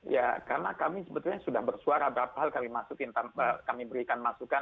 ya karena kami sebetulnya sudah bersuara berapa hal kami masukin kami berikan masukan